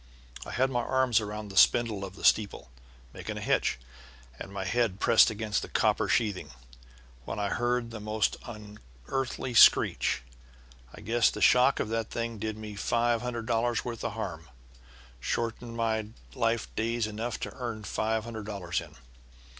I had my arms around the spindle of the steeple, making a hitch, and my head pressed against the copper sheathing, when I heard a most unearthly screech. I guess the shock of that thing did me five hundred dollars' worth of harm shortened my life days enough to earn five hundred dollars in.